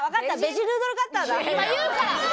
今言うから！